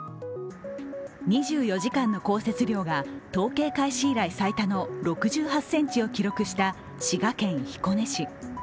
２４時間の降雪量が統計開始以来最多の６８ｃｍを記録した滋賀県彦根市。